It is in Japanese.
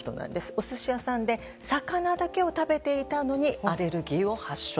お寿司屋さんで魚だけを食べていたのにアレルギーを発症。